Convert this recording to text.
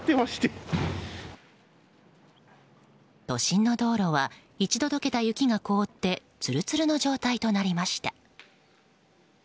都心の道路は一度解けた雪が凍ってつるつるの状態となりました。